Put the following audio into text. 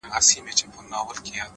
هره هڅه د داخلي ودې برخه ده